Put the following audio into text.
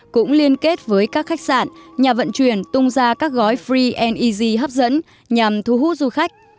cũng liên kết với các khách sạn nhà vận chuyển tung ra các gói free neg hấp dẫn nhằm thu hút du khách